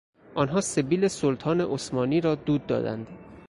آنها سبیل سلطان عثمانی را دود دادند.